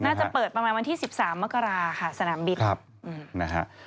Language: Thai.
น่าจะเปิดประมาณวันที่๑๓มกราค่ะสนามบินนะฮะ